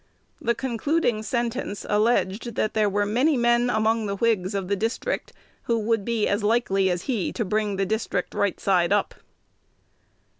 The concluding sentence alleged that there were many men among the Whigs of the district who would be as likely as he to bring "the district right side up."